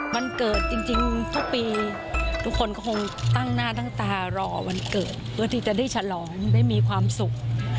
วันเกิดจริงทุกปีทุกคนก็คงตั้งหน้าตั้งตารอวันเกิดเพื่อที่จะได้ฉลองได้มีความสุข